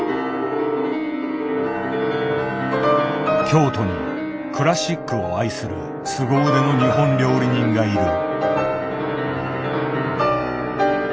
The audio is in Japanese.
京都にクラシックを愛するすご腕の日本料理人がいる。